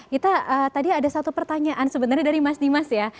kita tadi ada satu pertanyaan sebenarnya dari mas dimas ya